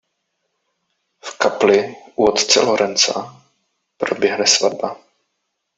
V kapli u otce Lorenza proběhne svatba.